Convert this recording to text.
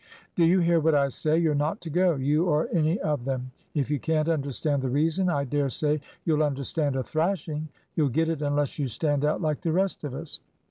"Do you hear what I say? You're not to go, you or any of them. If you can't understand the reason, I dare say you'll understand a thrashing. You'll get it unless you stand out like the rest of us."